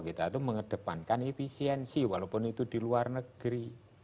kita itu mengedepankan efisiensi walaupun itu di luar negeri